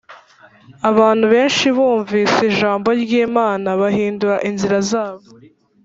Abantu benshi bumvise ijambo ry imana bahindura inzira zabo